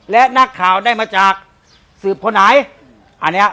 และนักข่าวได้มาจากสืบคนไหนอันเนี้ย